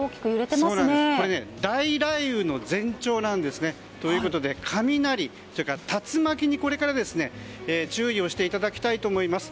これ、大雷雨の前兆なんですね。ということで雷、竜巻にこれから注意をしていただきたいと思います。